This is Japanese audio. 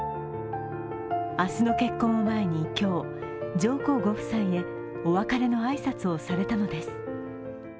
明日の結婚を前に今日、上皇ご夫妻へお別れの挨拶をされたのです。